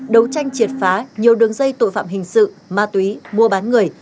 đấu tranh triệt phá nhiều đường dây tội phạm hình sự ma túy mua bán người